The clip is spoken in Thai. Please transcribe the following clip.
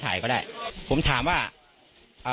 กลุ่มวัยรุ่นกลัวว่าจะไม่ได้รับความเป็นธรรมทางด้านคดีจะคืบหน้า